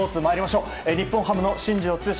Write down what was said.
日本ハムの新庄剛志